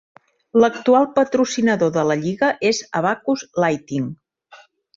L'actual patrocinador de la lliga és Abacus Lighting.